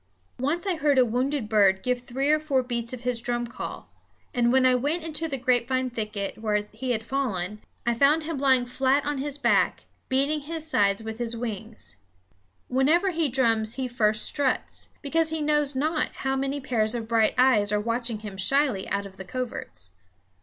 Once I heard a wounded bird give three or four beats of his drum call, and when I went into the grapevine thicket, where he had fallen, I found him lying flat on his back, beating his sides with his wings. Whenever he drums he first struts, because he knows not how many pairs of bright eyes are watching him shyly out of the coverts.